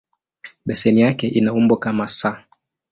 Beseni yake ina umbo kama "S".